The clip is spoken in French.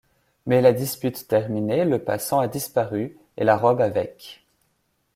Mais la dispute terminée, le passant a disparu et la robe avec.